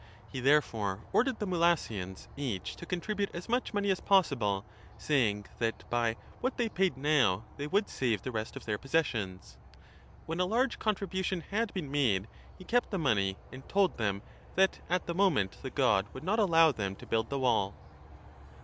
He therefore ordered the Mylassians each to contribute as much money 15 as possible, saying that by what they paid now they would save the rest of their possessions. 2 When a large contribution had been made, he kept the money and told them that at the moment the god would not allow them to build the wall.